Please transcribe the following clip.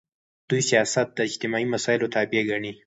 دوی سیاست د اجتماعي مسایلو تابع ګڼي.